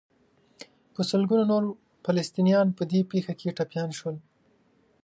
په سلګونو نور فلسطینیان په دې پېښه کې ټپیان شول.